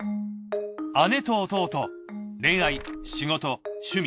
姉と弟恋愛仕事趣味。